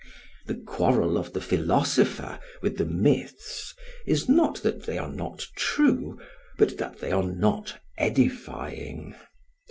The quarrel of the philosopher with the myths is not that they are not true, but that they are not edifying.